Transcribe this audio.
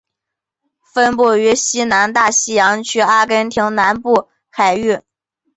分布于西南大西洋区阿根廷南部海域。